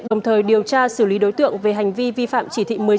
đồng thời điều tra xử lý đối tượng về hành vi vi phạm chỉ thị một mươi sáu